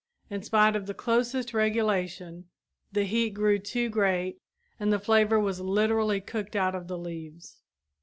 In spite of the closest regulation the heat grew too great and the flavor was literally cooked out of the leaves.